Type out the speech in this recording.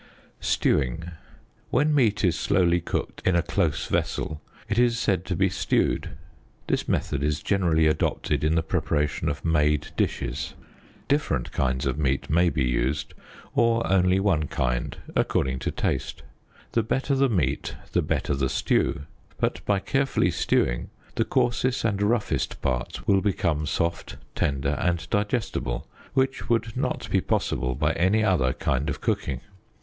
Stewing. ŌĆö When meat is slowly cooked in a close vessel it is said to be stewed; this method is generally adopted in the preparation of made dishes. Different kinds of meat may be used, or only one kind according to taste. The better the meat the better the stew; but by carefully stewing the coarsest and roughest parts will become soft, tender and digestible, which would not be possible by any other kind of cooking.